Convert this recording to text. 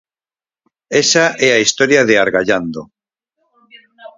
Esa é a historia de Argallando.